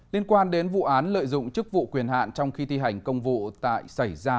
liên quan đến vụ án lợi dụng chức vụ quyền hạn trong khi thi hành công vụ xảy ra